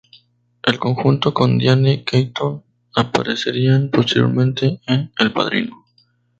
Él, junto con Diane Keaton, aparecerían posteriormente en "El padrino".